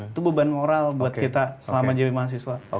itu beban moral buat kita selama jadi mahasiswa